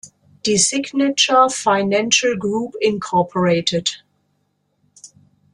Die Signature Financial Group Inc.